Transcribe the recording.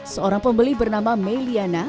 seorang pembeli bernama may liana